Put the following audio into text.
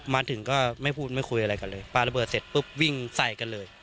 มาถึงก็ไม่พูดไม่คุยอะไรกันเลยปลาระเบิดเสร็จปุ๊บวิ่งใส่กันเลย